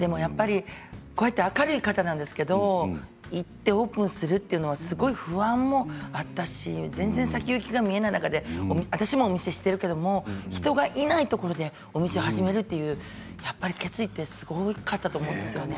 こうやって、明るい方なんですけど行ってオープンするというのはすごい不安もあったし全然先行きが見えない中で私もお店してるけど人がいないところでお店を始めるというやっぱり決意ってすごかったと思うんですよね。